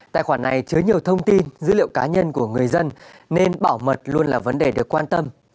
tài khoản này chứa nhiều thông tin dữ liệu cá nhân của người dân nên bảo mật luôn là vấn đề được quan tâm